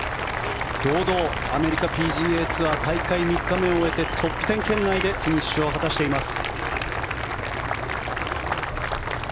堂々、アメリカＰＧＡツアー大会３日目を終えてトップ１０圏内でフィニッシュを果たしています。